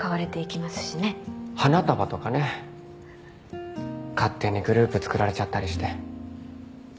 花束とかね勝手にグループつくられちゃったりして。